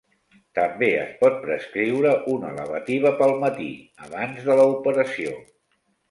També es pot prescriure una lavativa pel matí, abans de la operació.